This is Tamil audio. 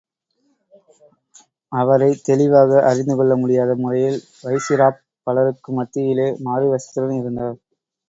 அவரைத் தெளிவாக அறிந்துகொள்ள முடியாத முறையில், வைசிராப் பலருக்கு மத்தியிலே மாறுவேஷத்துடன் இருந்தார்.